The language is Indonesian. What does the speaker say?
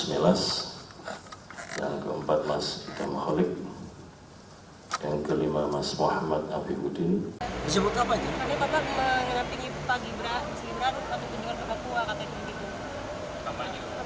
milas dan keempat mas kita mahalik yang kelima mas muhammad abi hudin disebut apa